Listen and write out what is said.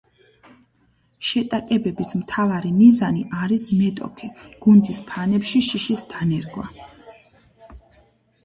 შეტაკებების მთავარი მიზანი არის მეტოქე გუნდის ფანებში შიშის დანერგვა.